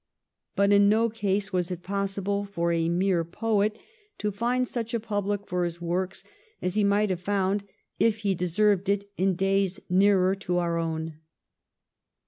But in no case was it possible for a mere poet to find such a public for his works as he might have found, if he deserved it, in days nearer to our own.